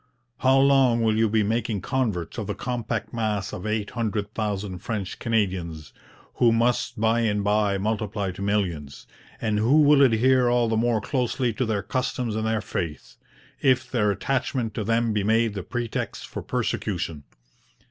'How long will you be making converts of the compact mass of eight hundred thousand French Canadians, who must by and by multiply to millions, and who will adhere all the more closely to their customs and their faith, if their attachment to them be made the pretext for persecution?